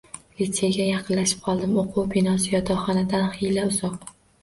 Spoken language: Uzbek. Litseyga yaqinlashib qoldim. Oʻquv binosi yotoqxonadan xiyla uzoq.